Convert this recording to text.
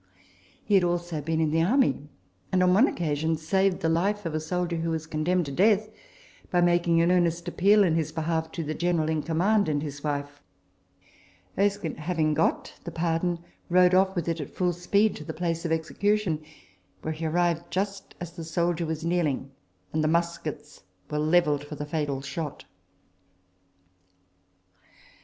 He had also been in the army ; and on one occasion saved the life of a soldier who was condemned to death, by making an earnest appeal in his behalf to the general in command and his wife : Erskine having got the pardon, rode off with it at full speed to the place of execution, where he arrived just as the soldier was kneeling, and the muskets were levelled for the fatal shot.